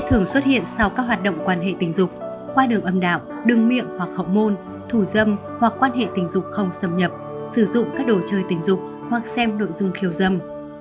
thường xuất hiện sau các hoạt động quan hệ tình dục qua đường âm đạo đường miệng hoặc học môn thủ dâm hoặc quan hệ tình dục không xâm nhập sử dụng các đồ chơi tình dục hoặc xem nội dung khiêu dâm